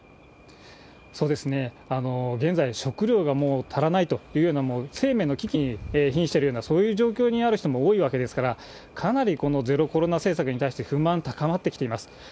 現在、食料がもう足らないというような生命の危機にひんしているような、そういう状況にある人も多いわけですから、かなりゼロコロナ政策に対して不満高まってきています。